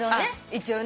一応ね。